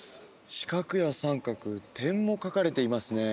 四角や三角点も描かれていますね